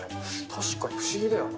確かに不思議だよな。